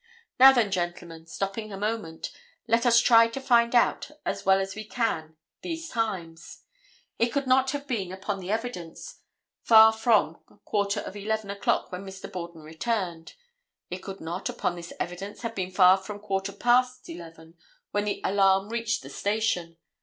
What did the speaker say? Now, then, gentlemen, stopping a moment, let us try to find out as well as we can these times. It could not have been, upon the evidence, far from quarter of 11 o'clock when Mr. Borden returned. It could not, upon this evidence, have been far from quarter past 11 when the alarm reached the station.